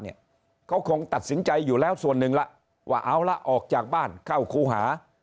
เขาคงตัดสินใจอยู่แล้วส่วนหนึ่งแล้วว่าเอาละออกจากบ้านเข้าครูหา